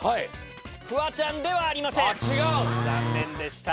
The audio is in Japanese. フワちゃんではありません残念でした。